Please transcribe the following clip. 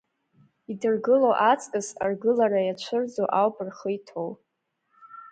Идыргыло аҵкыс, аргылара иацәырӡо ауп рхы иҭоу.